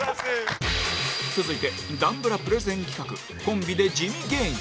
続いて男ブラプレゼン企画コンビで地味芸人